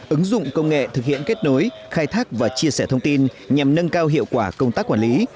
ứng dụng công nghệ thực hiện kết nối khai thác và chia sẻ thông tin nhằm nâng cao hiệu quả công tác quản lý